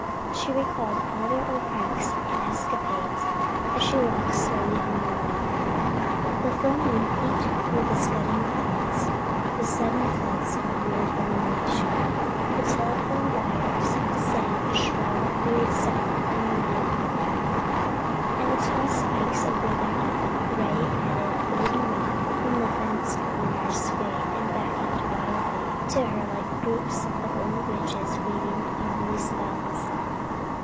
She recalled all their old pranks and escapades as she walked slowly home alone. The full moon peeped through the scudding clouds with sudden floods of weird illumination, the telephone wires sang a shrill weird song in the wind, and the tall spikes of withered, grey headed golden rod in the fence corners swayed and beckoned wildly to her like groups of old witches weaving unholy spells.